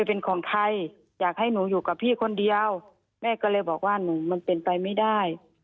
เป็นของใครอยากให้หนูอยู่กับพี่คนเดียวแม่ก็เลยบอกว่าหนูมันเป็นไปไม่ได้